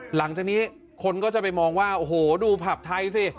หลังจากนี้คนก็จะไปมองว่าโอ้โหดูผับไทยสิ